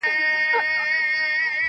• له نارنج ګل له سنځل ګل څخه راغلي عطر -